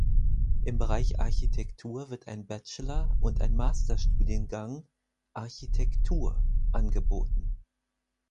Im Bereich Architektur wird ein Bachelor- und ein Masterstudiengang "Architektur" angeboten.